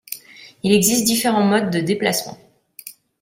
Il existe différent modes de déplacement.